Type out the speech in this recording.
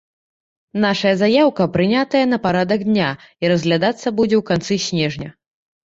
Нашая заяўка прынятая на парадак дня і разглядацца будзе ў канцы снежня.